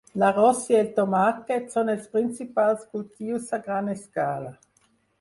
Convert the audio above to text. L'arròs i el tomàquet són els principals cultius a gran escala.